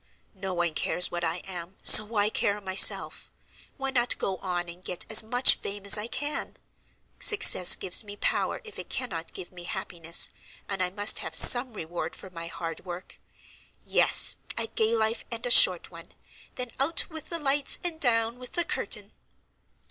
"No one cares what I am, so why care myself? Why not go on and get as much fame as I can? Success gives me power if it cannot give me happiness, and I must have some reward for my hard work. Yes! a gay life and a short one, then out with the lights and down with the curtain!"